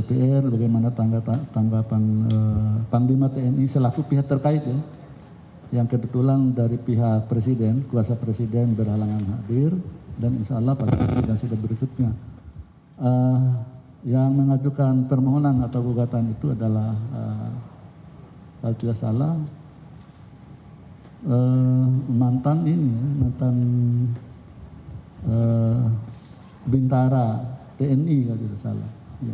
pembangunan atau gugatan itu adalah kalau tidak salah mantan ini mantan bintara tni kalau tidak salah